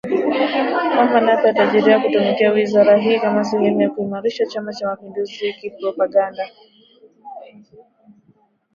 kwamba Nape atajaribu kutumia wizara hii kama sehemu ya kuiimarisha Chama cha mapinduzi kipropaganda